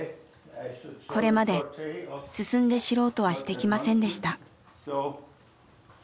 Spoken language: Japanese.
これまで進んで知ろうとはしてきませんでした。